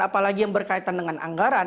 apalagi yang berkaitan dengan anggaran